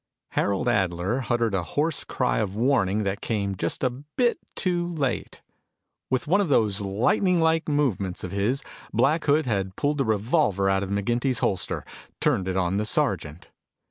Harold Adler uttered a hoarse cry of warning that came just a bit too late. With one of those lightning like movements of his, Black Hood had pulled the revolver out of McGinty's holster, turned it on the sergeant.